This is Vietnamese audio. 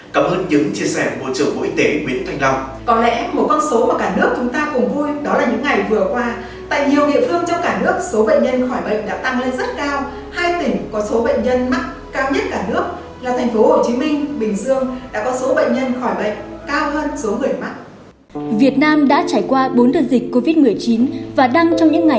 cảm ơn những chia sẻ của bộ trưởng bộ y tế nguyễn thành đông